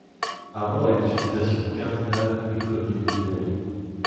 À bas les disputations cardinales et quodlibétaires!